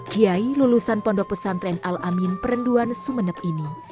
kiai lulusan pondok pesantren al amin perenduan sumeneb ini